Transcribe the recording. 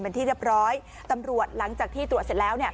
เป็นที่เรียบร้อยตำรวจหลังจากที่ตรวจเสร็จแล้ว